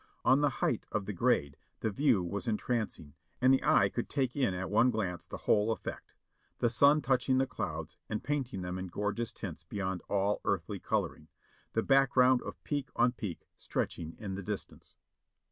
On the height of the grade the view was entrancing and the eye could take in at one 494 JOHNNY REB AND BILLY YANK glance the whole effect : the sun touching the clouds and paint ing them in gorgeous tints beyond all earthly coloring, the back ground of peak on peak stretching in the distance.